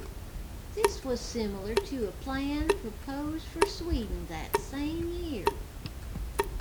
This was similar to a plan proposed for Sweden that same year.